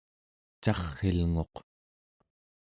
carr'ilnguq